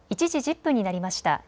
１時１０分になりました。